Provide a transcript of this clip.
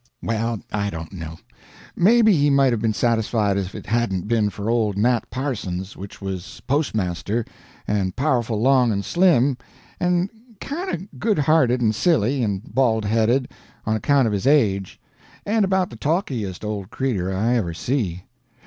Well, I don't know; maybe he might have been satisfied if it hadn't been for old Nat Parsons, which was postmaster, and powerful long and slim, and kind o' good hearted and silly, and bald headed, on account of his age, and about the talkiest old cretur I ever see.